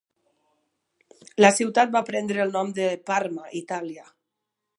La ciutat va prendre el nom de Parma, Itàlia,